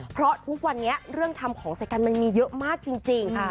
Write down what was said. เพราะทุกวันนี้เรื่องทำของใส่กันมันมีเยอะมากจริง